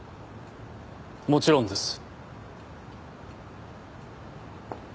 もちろんです。